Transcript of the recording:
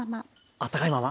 あったかいまま？